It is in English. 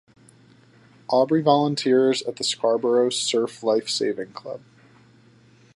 Aubrey volunteers at the Scarboro Surf Life Saving Club.